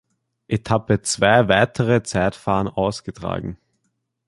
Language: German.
Etappe zwei weitere Zeitfahren ausgetragen.